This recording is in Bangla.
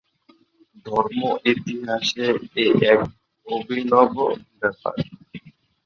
ধর্মের ইতিহাসে এ এক অভিনব ব্যাপার।